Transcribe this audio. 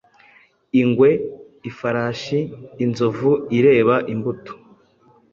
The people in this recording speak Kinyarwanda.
ingwe, ifarashi, inzovu ireba imbuto